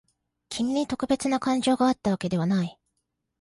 君に特別な感情があったわけではない。